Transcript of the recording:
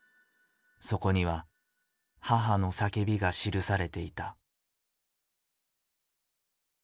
そこには母の叫びが記されていた。